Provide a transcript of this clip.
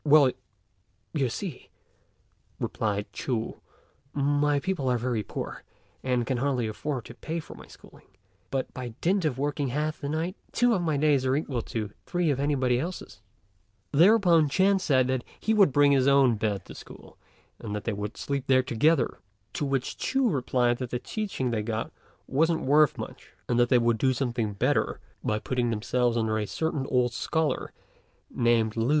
"Well, you see," replied Ch'u, "my people are very poor, and can hardly afford to pay for my schooling; but, by dint of working half the night, two of my days are equal to three of anybody else's." Thereupon Ch'ên said he would bring his own bed to the school, and that they would sleep there together; to which Ch'u replied that the teaching they got wasn't worth much, and that they would do better by putting themselves under a certain old scholar named Lü.